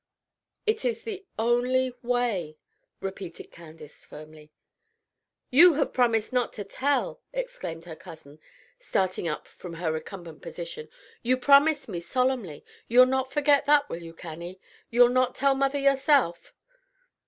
"It is the only way," repeated Candace, firmly. "You have promised not to tell!" exclaimed her cousin, starting up from her recumbent position. "You promised me solemnly! You'll not forget that, will you, Cannie? You'll not tell mother yourself?"